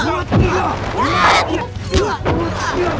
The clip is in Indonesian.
mau kabur kemana kali ya